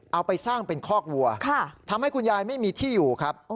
เอาไปสร้างเป็นคอกวัวทำให้คุณยายไม่มีที่อยู่ครับ